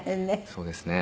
そうですね。